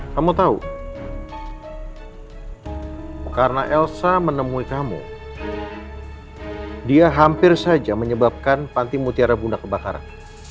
kamu tahu karena elsa menemui kamu dia hampir saja menyebabkan panti mutiara bunda kebakaran